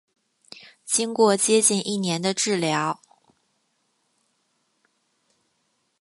经过接近一年的治疗